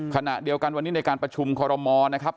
ขณะเดียวกันวันนี้ในการประชุมคอรมอลนะครับ